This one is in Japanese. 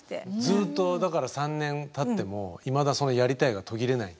ずっとだから３年たってもいまだその「やりたい」が途切れない？